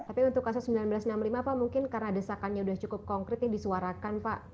tapi untuk kasus seribu sembilan ratus enam puluh lima pak mungkin karena desakannya sudah cukup konkret ini disuarakan pak